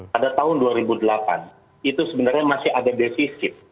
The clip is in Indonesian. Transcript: pada tahun dua ribu delapan itu sebenarnya masih ada defisit